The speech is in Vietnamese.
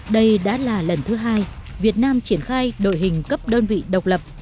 đây đã là lần thứ hai việt nam triển khai đội hình cấp đơn vị độc lập